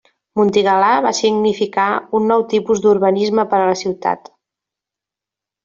Montigalà va significar un nou tipus d'urbanisme per a la ciutat.